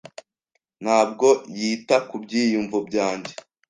Ntabwo yita ku byiyumvo byanjye.